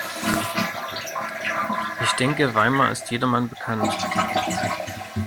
Ich denke, Weimar ist jedermann bekannt.